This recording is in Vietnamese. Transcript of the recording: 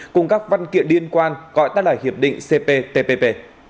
cùng các văn kiện liên quan gọi tắt là hiệp định cptpp